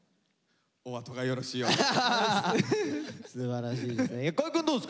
お後がよろしいようで。